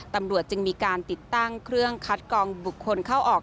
ตำรวจจึงมีการติดตั้งเครื่องคัดกองบุคคลเข้าออก